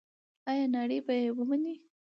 آیا نړۍ به یې ومني؟